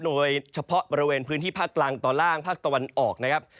โดยเฉพาะบริเวณพื้นที่ภาคกลางตอนล่างภาคตะวันออกนะครับ